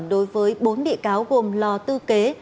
đối với bốn địa cáo gồm lò tư kế